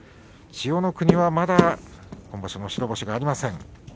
千代の国はまだ今場所、白星がありません。